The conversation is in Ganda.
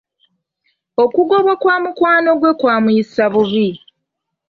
Okugobwa kwa mukwano gwe kwamuyisa bubi.